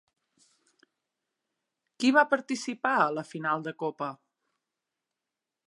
Qui va participar a la final de Copa?